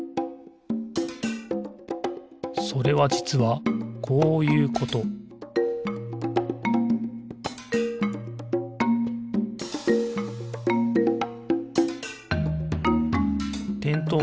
それはじつはこういうことてんとう